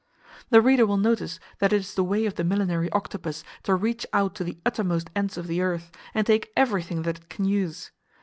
The reader will notice that it is the way of the millinery octopus to reach out to the uttermost ends of the earth, and take everything that it can use.